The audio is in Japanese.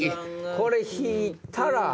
これ引いたら。